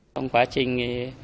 trong quá trình thì